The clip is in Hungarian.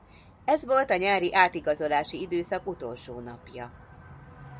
Ez volt a nyári átigazolási időszak utolsó napja.